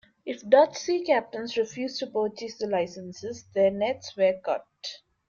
If Dutch sea captains refused to purchase the licences, their nets were cut.